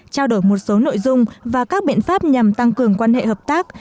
trao đổi một số nội dung và các biện pháp nhằm tăng cường quan hệ hợp tác